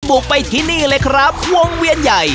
บุกไปที่นี่เลยครับวงเวียนใหญ่